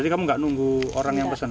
jadi kamu nggak nunggu orang yang pesen